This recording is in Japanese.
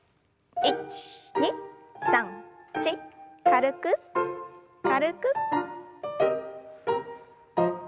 １２３４軽く軽く。